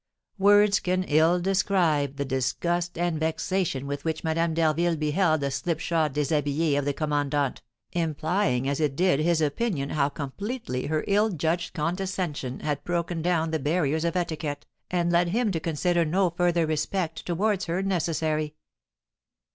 Words can ill describe the disgust and vexation with which Madame d'Harville beheld the slipshod déshabillé of the commandant, implying as it did his opinion how completely her ill judged condescension had broken down the barriers of etiquette, and led him to consider no further respect towards her necessary.